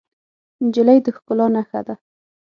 نجلۍ د ښکلا نښه ده.